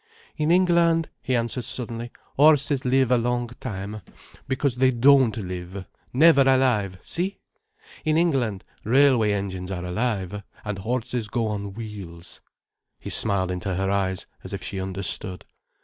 "In England," he answered suddenly, "horses live a long time, because they don't live—never alive—see? In England railway engines are alive, and horses go on wheels." He smiled into her eyes as if she understood.